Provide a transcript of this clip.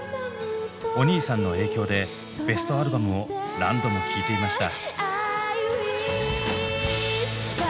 お兄さんの影響でベストアルバムを何度も聴いていました。